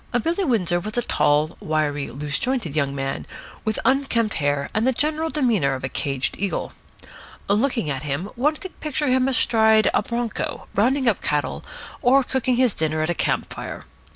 Billy Windsor was a tall, wiry, loose jointed young man, with unkempt hair and the general demeanour of a caged eagle. Looking at him, one could picture him astride of a bronco, rounding up cattle, or cooking his dinner at a camp fire.